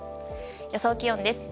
予想気温です。